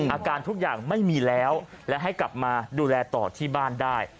อาการทุกอย่างไม่มีแล้วและให้กลับมาดูแลต่อที่บ้านได้